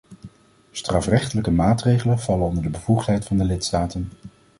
Strafrechtelijke maatregelen vallen onder de bevoegdheid van de lidstaten.